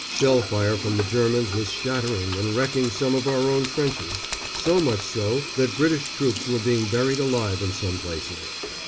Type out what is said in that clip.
Shell fire from the Germans was shattering and wrecking some of our own trenches, so much so that British troops were being buried alive in some places.